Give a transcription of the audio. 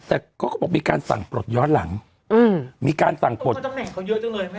แต่เขาก็บอกมีการสั่งปลดย้อนหลังอืมมีการสั่งปลดตำแหน่งเขาเยอะจังเลยแม่